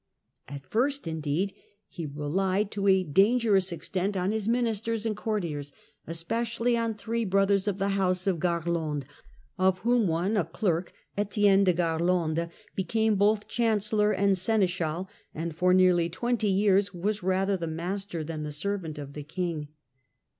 At first, indeed, he relied to a dangerous extent on his ministers and courtiers, especially on three brothers of the house of Garlande, of whom one, a clerk, Etienne de Garlande, became both Chancellor and Seneschal, and for nearly twenty years was rather the master than the servant of the king.